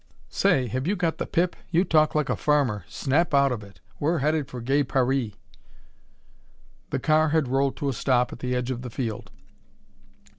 "Say, have you got the pip? You talk like a farmer. Snap out of it! We're headed for Gay Paree!" The car had rolled to a stop at the edge of the field.